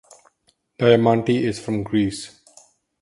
Diamanti is from Greece.